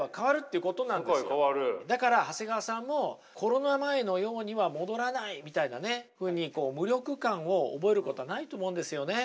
だから長谷川さんもコロナ前のようには戻らないみたいなふうに無力感を覚えることはないと思うんですよね。